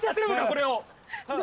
これを。